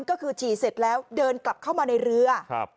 ก็คือฉี่เสร็จแล้วเดินกลับเข้ามาในเรือครับ